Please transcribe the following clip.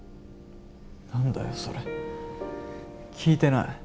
何だよそれ聞いてない。